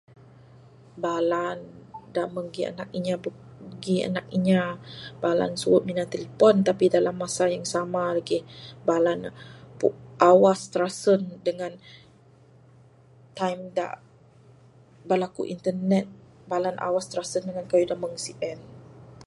Bala ne da meng gi anak inya bala ne suwe minan telipon dalam masa yang sama lagih bala ne pu awas trasen dangan time da bala ku internet bala ne awas trasen dangan kayuh sien.